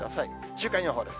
週間予報です。